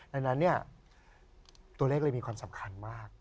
ดังนั้นเนี่ยตัวเลขเลยมีความสำคัญมาก